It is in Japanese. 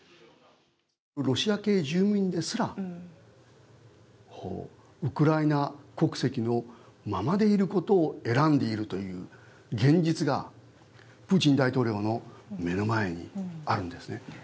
ロシア系住民ですらウクライナ国籍のままでいることを選んでいるという現実が、プーチン大統領の目の前にあるんですね。